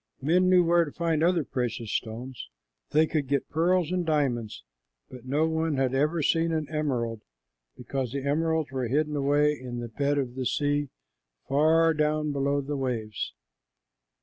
Men knew where to find other precious stones. They could get pearls and diamonds, but no one had ever seen an emerald, because the emeralds were hidden away in the bed of the sea, far down below the waves.